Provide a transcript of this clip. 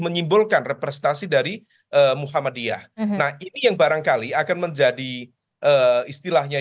menyimpulkan representasi dari muhammadiyah nah ini yang barangkali akan menjadi istilahnya